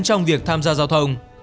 trong việc tham gia giao thông